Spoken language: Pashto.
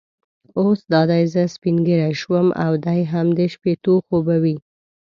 اوس دا دی زه سپینږیری شوم او دی هم د شپېتو خو به وي.